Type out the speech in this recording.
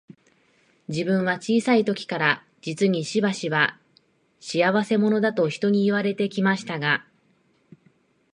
自分は小さい時から、実にしばしば、仕合せ者だと人に言われて来ましたが、